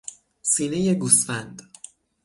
سینهی گوسفند